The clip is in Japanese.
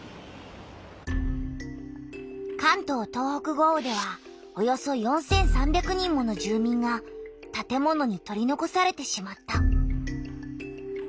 関東・東北豪雨ではおよそ４３００人もの住みんがたて物に取りのこされてしまった。